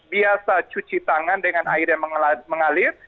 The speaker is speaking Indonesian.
biasa cuci tangan dengan air yang mengalir